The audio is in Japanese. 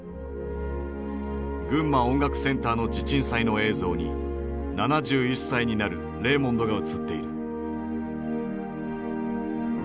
群馬音楽センターの地鎮祭の映像に７１歳になるレーモンドが映っている。